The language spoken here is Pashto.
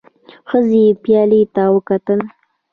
ښځې پيالې ته وکتل.